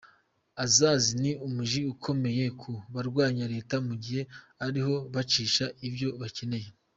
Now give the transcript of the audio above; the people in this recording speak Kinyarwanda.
Azaz ni umuji ukomeye ku barwanya leta, mu gihe ariho bacisha ivyo bakeneye.